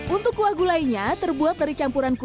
untuk kuah gulainya terbuat dari campuran kubur